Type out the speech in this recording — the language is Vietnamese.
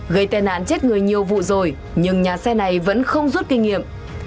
gây tai nạn chết người nhiều vụ rồi nhưng nhà xe này vẫn không rút kinh nghiệm